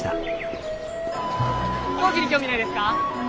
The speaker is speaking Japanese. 飛行機に興味ないですか？